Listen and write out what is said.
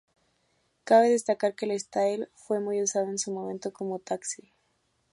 Cabe destacar que el "Style" fue muy usado en su momento como taxi.